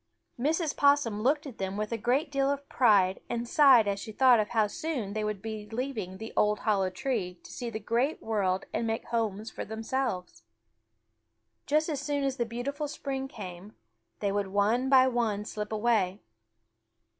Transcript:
Mrs. Possum looked at them with a great deal of pride and sighed as she thought of how soon they would be leaving the old hollow tree to see the great world and make homes for themselves. Just as soon as the beautiful spring came, they would one by one slip away.